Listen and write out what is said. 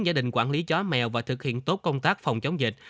gia đình quản lý chó mèo và thực hiện tốt công tác phòng chống dịch